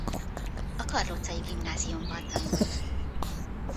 A karlócai gimnáziumban tanult.